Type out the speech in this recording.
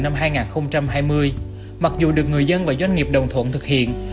năm hai nghìn hai mươi mặc dù được người dân và doanh nghiệp đồng thuận thực hiện